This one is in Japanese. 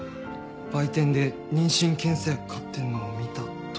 売店で妊娠検査薬買ってんのを見たとか。